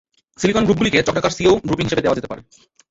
Silicon গ্রুপগুলিকে চক্রাকার সিও গ্রুপিং হিসাবে দেওয়া যেতে পারে।